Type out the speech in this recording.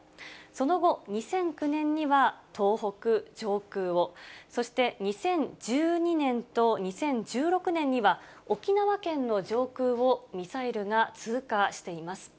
その後、２００９年には東北上空を、そして２０１２年と２０１６年には、沖縄県の上空を、ミサイルが通過しています。